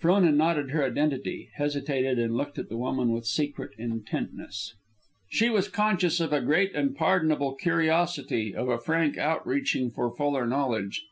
Frona nodded her identity, hesitated, and looked at the woman with secret intentness. She was conscious of a great and pardonable curiosity, of a frank out reaching for fuller knowledge.